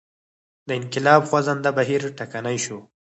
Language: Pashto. د انقلاب خوځنده بهیر ټکنی شو.